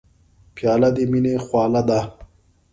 پیاله د مینې خواله ده.